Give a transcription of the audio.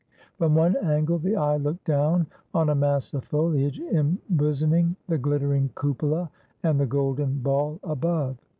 From one angle the eye looked down on a mass of foliage embosoming the glittering cupola and the golden ball above.